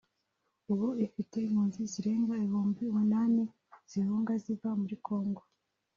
ubu ifite impunzi zirenga ibihumbi umunani zihunga ziva muri Congo